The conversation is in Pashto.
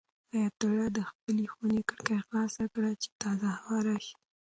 حیات الله د خپلې خونې کړکۍ خلاصه کړه چې تازه هوا راشي.